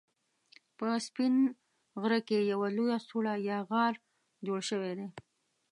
په سپين غره کې يوه لويه سوړه يا غار جوړ شوی دی